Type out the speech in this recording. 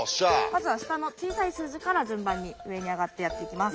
まずは下の小さい数字から順番に上に上がってやっていきます。